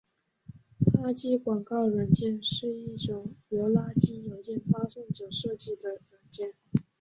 垃圾广告软件是一种由垃圾邮件发送者设计的软件。